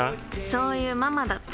そういうママだって。